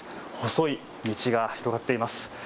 細い道が広がっています。